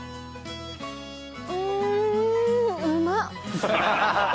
んうまっ！